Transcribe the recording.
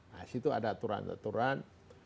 nah di situ ada aturan aturan